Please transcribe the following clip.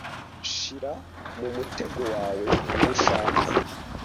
shira mu mutego wawe uwo ushaka